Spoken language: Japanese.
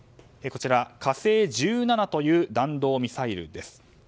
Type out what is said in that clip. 「火星１７」という弾道ミサイルです。